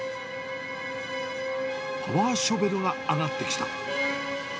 パワーショベルが上がってきた。